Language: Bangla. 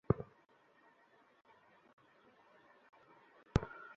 পলাতক আরও তিনজনকে গ্রেপ্তার করতে পুলিশ মুহিতের নিকটাত্মীয় ইসমাইল হোসেনকে আটক করেছে।